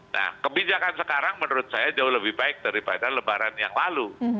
nah kebijakan sekarang menurut saya jauh lebih baik daripada lebaran yang lalu